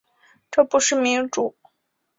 这不是民主